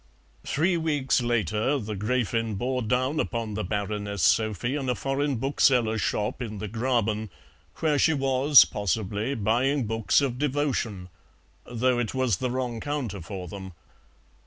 Three weeks later the Gräfin bore down upon the Baroness Sophie in a foreign bookseller's shop in the Graben, where she was, possibly, buying books of devotion, though it was the wrong counter for them.